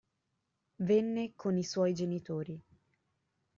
Venne con i suoi genitori.